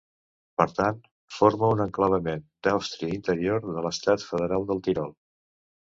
Per tant, forma un exclavament d'Àustria Interior de l'estat federal del Tirol.